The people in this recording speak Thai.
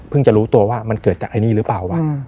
จะรู้ตัวว่ามันเกิดจากไอ้นี่หรือเปล่าว่ะ